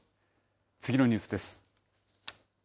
次のニュースです。